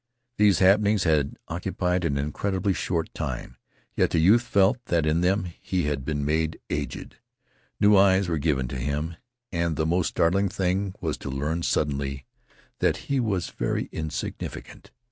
These happenings had occupied an incredibly short time, yet the youth felt that in them he had been made aged. New eyes were given to him. And the most startling thing was to learn suddenly that he was very insignificant.